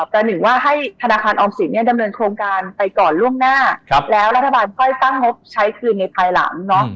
แต่หนึ่งว่าให้ธนาคารออมสินเนี่ยดำเนินโครงการไปก่อนล่วงหน้าแล้วรัฐบาลค่อยตั้งงบใช้คืนในภายหลัง